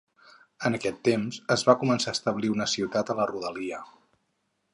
En aquest temps es va començar a establir una ciutat a la rodalia.